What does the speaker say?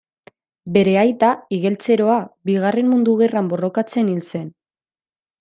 Bere aita, igeltseroa, Bigarren Mundu Gerran borrokatzen hil zen.